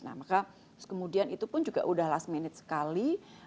nah maka kemudian itu pun juga sudah last minute sekali